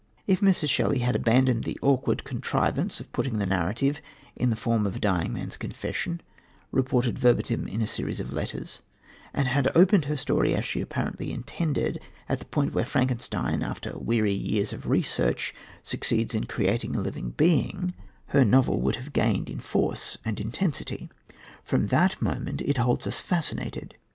If Mrs. Shelley had abandoned the awkward contrivance of putting the narrative into the form of a dying man's confession, reported verbatim in a series of letters, and had opened her story, as she apparently intended, at the point where Frankenstein, after weary years of research, succeeds in creating a living being, her novel would have gained in force and intensity. From that moment it holds us fascinated.